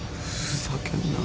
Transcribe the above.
ふざけんな。